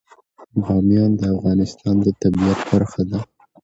بامیان د افغانستان د طبیعت برخه ده.